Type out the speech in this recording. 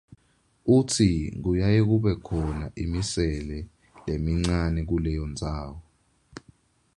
Utsi kuyaye kube khona imisele lemincane kuleyo ndzawo.